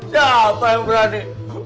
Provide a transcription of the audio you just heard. siapa yang berani